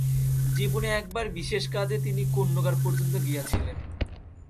জীবনে একবার বিশেষ কাজে তিনি কোন্নগর পর্যন্ত গিয়াছিলেন।